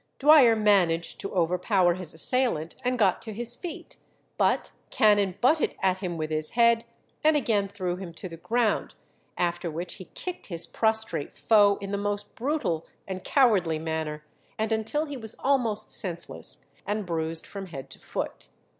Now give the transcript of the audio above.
Dwyer managed to overpower his assailant, and got to his feet; but Cannon butted at him with his head, and again threw him to the ground, after which he kicked his prostrate foe in the most brutal and cowardly manner, and until he was almost senseless, and bruised from head to foot.